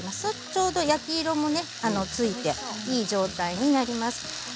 ちょうど焼き色もついていい状態になります。